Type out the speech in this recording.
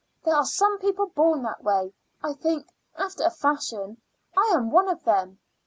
There are some people born that way; I think, after a fashion, I am one of them.